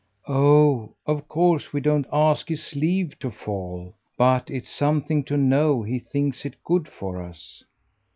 "Oh of course we don't ask his leave to fall. But it's something to know he thinks it good for us."